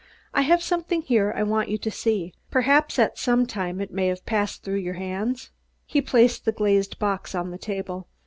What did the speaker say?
"I have something here I want you to see. Perhaps, at some time, it may have passed through your hands." He placed the glazed box on the table.